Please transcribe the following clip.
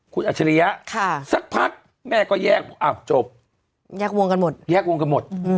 คุณอัจฉริยะสักพักแม่ก็แยกบอกอ้าวจบแยกวงกันหมดแยกวงกันหมด